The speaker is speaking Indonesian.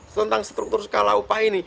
tentang struktur skala upah ini